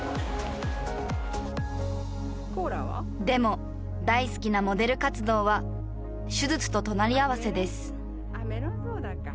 でも大好きなモデル活動は手術と隣り合わせです。